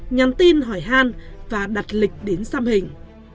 nhắn tin hỏi han và đặt lịch đến xăm hình